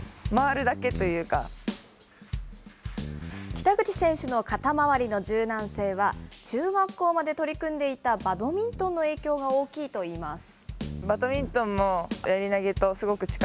北口選手の肩周りの柔軟性は、中学校まで取り組んでいたバドミントンの影響が大きいといいます。